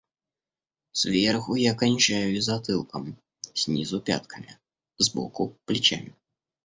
Сверху я кончаюсь затылком, снизу пятками, сбоку плечами.